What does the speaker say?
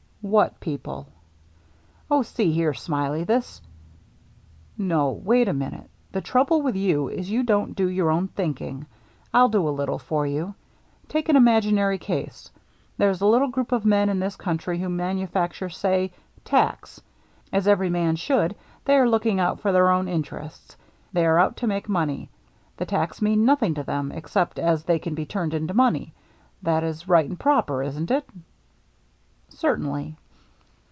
" What people ?"" Oh, see here. Smiley, this —"" No, wait a minute. The trouble with you is you don't do your own thinking; I'll do a little for you. Take an imaginary case : There is a little group of men in this country who manufacture, say, tacks. As every man should, they are looking out for their own interests. They are out to make money. The tacks mean nothing to them, except as 394 THE MERRT ANNE they can be turned into money. That is right and proper, isn't it ?"« Certainly."